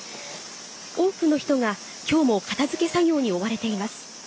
多くの人がきょうも片づけ作業に追われています。